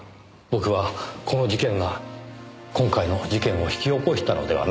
僕はこの事件が今回の事件を引き起こしたのではないか。